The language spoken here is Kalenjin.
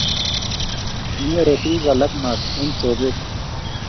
kinyere tuguk alak maat eng' soket